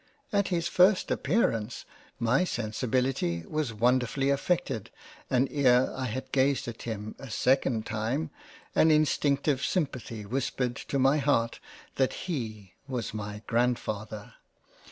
At his first Appearance my Sensibility was wonderfully affected and e'er I had gazed at him a 2 d time, an instinctive sym pathy whispered to my Heart, that he was my Grandfather.